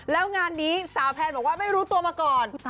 แล้วงานนี้สาวแพนบอกว่าไม่รู้ตัวมาก่อน